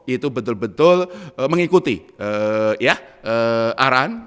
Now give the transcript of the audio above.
itu betul betul mengikuti arahan